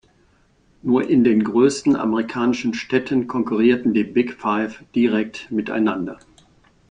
Nur in den größten amerikanischen Städten konkurrierten die Big Five direkt miteinander.